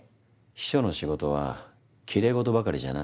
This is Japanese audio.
秘書の仕事はきれいごとばかりじゃない。